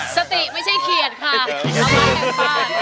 สติไม่ใช่เขียนค่ะ